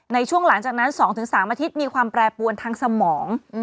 ในช่วงหลังจากนั้น๒๓อาทิตย์มีความแปรปวนทางสมอง